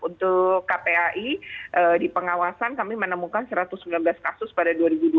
untuk kpai di pengawasan kami menemukan satu ratus sembilan belas kasus pada dua ribu dua puluh